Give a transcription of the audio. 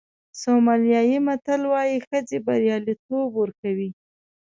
سومالیایي متل وایي ښځې بریالیتوب ورکوي.